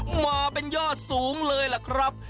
โอ้โหมาเป็นยาสูงนะครับ